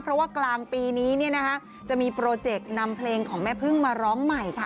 เพราะว่ากลางปีนี้เนี่ยนะคะจะมีโปรเจกต์นำเพลงของแม่พึ่งมาร้องใหม่ค่ะ